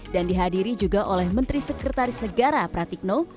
dan dihadiri juga oleh menteri sekretaris negara pratik nol